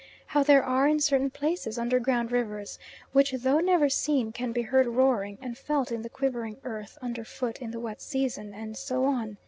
How there are in certain places underground rivers, which though never seen can be heard roaring, and felt in the quivering earth under foot in the wet season, and so on.